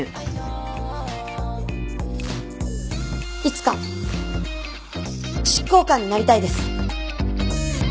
いつか執行官になりたいです。